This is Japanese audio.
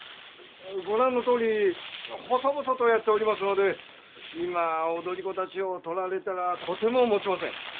ご覧のとおり細々とやっておりますので今踊り子たちを取られたらとてももちません。